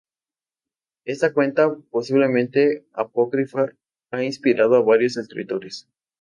Esta cuenta posiblemente apócrifa ha inspirado a varios escritores.